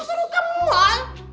seru ke mall